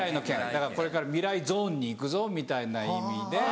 これから未来ゾーンに行くぞみたいな意味で。